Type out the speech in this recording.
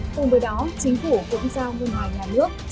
cùng với đó chính phủ cũng giao ngân hàng nhà nước